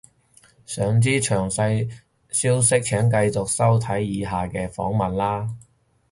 想知詳細消息請繼續收睇以下嘅訪問喇